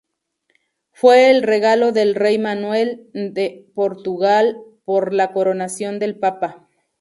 Fue el regalo del Rey Manuel I de Portugal por la coronación del Papa.